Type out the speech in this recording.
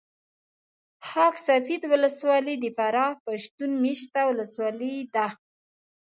خاک سفید ولسوالي د فراه پښتون مېشته ولسوالي ده